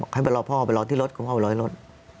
ให้ไปรอพ่อไปรอที่รถคุณพ่อร้อยรถ